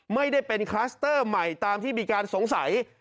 ไม่ได้เป็นคลัสเตอร์ใหม่ตามที่มีการสงสัย